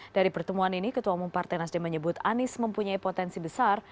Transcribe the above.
dari pertemuan ini ketua umum partai nasdem menyebut anies mempunyai potensi besar